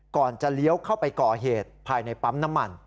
ก่อนจะเลี้ยวเข้าไปก่อเหตุภายในปั๊มน้ำมัน